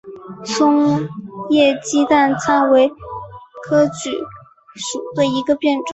松叶鸡蛋参为桔梗科党参属下的一个变种。